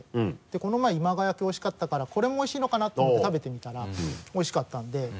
この前今川焼きおいしかったからこれもおいしいのかなと思って食べてみたらおいしかったんで。